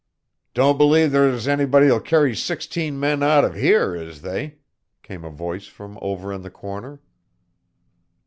"Don't believe there's anybody'll carry sixteen men out of here, is they?" came a voice from over in the corner.